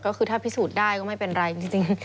ก็คือถ้าพิสูจน์ได้ก็ไม่เป็นไรจริง